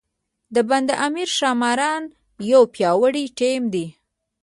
د بند امیر ښاماران یو پیاوړی ټیم دی.